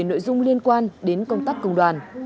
nội dung liên quan đến công tác công đoàn